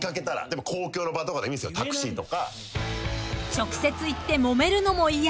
［直接言ってもめるのも嫌。